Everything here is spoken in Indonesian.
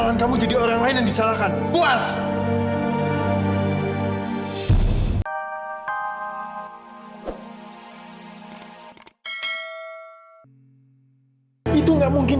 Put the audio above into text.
ruangan meeting ini listriknya gak bisa dinyalain